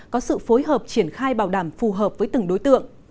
có sự phối hợp triển khai bảo đảm phù hợp với từng đối tượng